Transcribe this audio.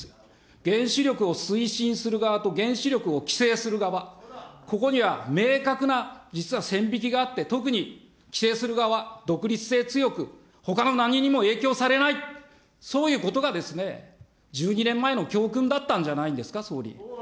原子力を推進する側と原子力を規制する側、ここには明確な実は線引きがあって、特に規制する側、独立性強く、ほかの何にも影響されない、そういうことが１２年前の教訓だったんじゃないんですか、総理。